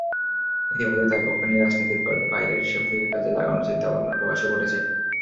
ইতিমধ্যেই তার পক্ষ নিয়ে রাজনীতির বাইরের শক্তিকে কাজে লাগানোর চিন্তাভাবনার প্রকাশও ঘটছে।